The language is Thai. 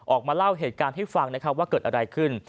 ออกมาเล่าเหตุการณ์ให้ฟังนะครับว่าเกิดอะไรขึ้น